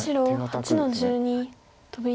白８の十二トビ。